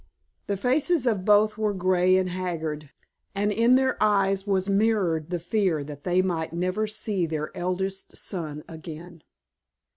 The faces of both were grey and haggard, and in their eyes was mirrored the fear that they might never see their eldest son again.